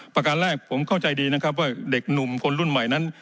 ประการแรกผมเข้าใจดีนะครับว่าเด็กหนุ่มคนรุ่นใหม่นั้น